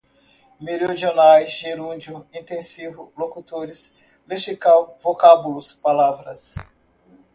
meridionais, gerúndio, intensivo, locutores, lexical, vocábulos, palavras